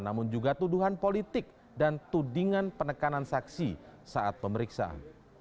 namun juga tuduhan politik dan tudingan penekanan saksi saat pemeriksaan